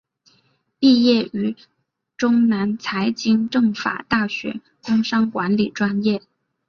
毕业于中南财经政法大学工商管理专业。